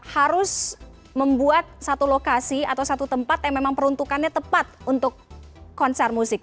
harus membuat satu lokasi atau satu tempat yang memang peruntukannya tepat untuk konser musik